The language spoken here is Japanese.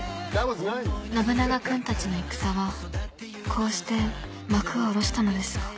信長君たちの戦はこうして幕を下ろしたのですが